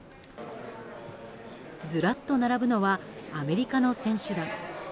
ずらっと並ぶのはアメリカの選手団。